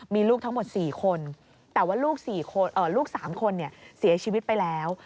มีลูกทั้งหมด๔คนแต่ว่าลูก๓คนเสียชีวิตไปแล้ว